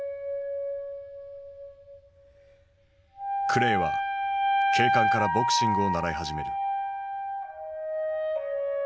クレイは警官からボクシングを習い始める。